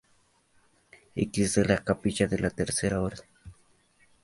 X De la capilla de la Tercera Orden.